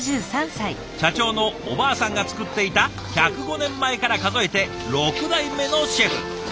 社長のおばあさんが作っていた１０５年前から数えて６代目のシェフ。